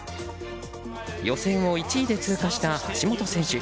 予選を１位で通過した橋本選手。